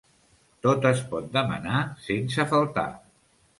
Tot es pot demanar sense faltar.